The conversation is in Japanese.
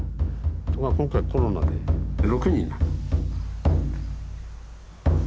ところが今回コロナで６人だ。